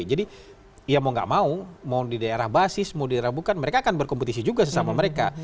jadi ya mau gak mau mau di daerah basis mau di daerah bukan mereka akan berkompetisi juga sesama mereka